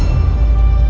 kamu juga gak jauh riz